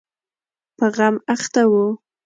په غم اخته و.